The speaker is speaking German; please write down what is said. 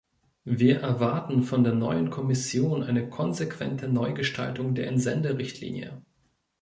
Wir erwarten von der neuen Kommission eine konsequente Neugestaltung der Entsenderichtlinie.